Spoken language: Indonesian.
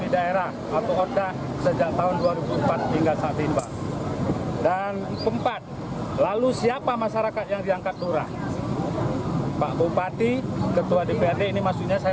dan keempat lalu siapa masyarakat yang diangkat turah pak bupati ketua dprd ini maksudnya saya